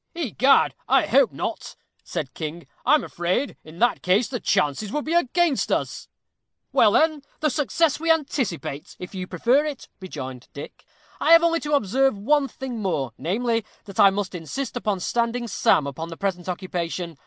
"Egad! I hope not," said King. "I'm afraid, in that case, the chances would be against us." "Well, then, the success we anticipate, if you prefer it," rejoined Dick. "I have only to observe one thing more, namely, that I must insist upon standing Sam upon the present occasion.